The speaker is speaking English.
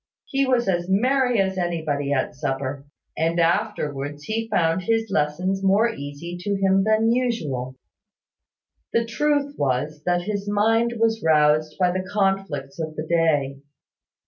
He was as merry as anybody at supper: and afterwards he found his lessons more easy to him than usual. The truth was that his mind was roused by the conflicts of the day.